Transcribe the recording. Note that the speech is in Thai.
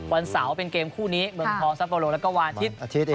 วันเสาร์เป็นเกมคู่นี้เมืองทองซัปโลแล้วก็วันอาทิตย์